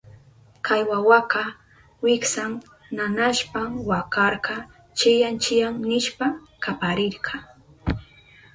Kay wawaka wiksan nanashpan wakarka, chiyán chiyán nishpa kaparirka.